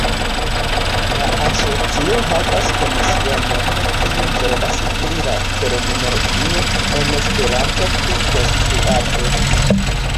La asocio havas komisionon kiu zorgas pri la terminologio en Esperanto pri konstruado.